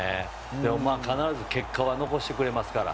でも必ず結果は残してくれますから。